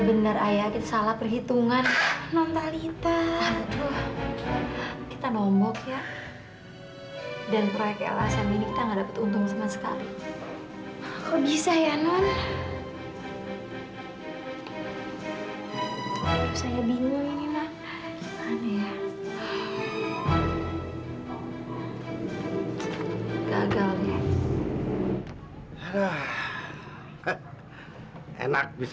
dia lagi dia lagi